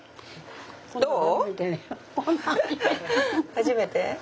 初めて？